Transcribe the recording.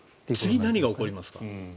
次、何が起こりますか？